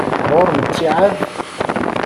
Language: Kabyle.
Ɣur-m ttiεad?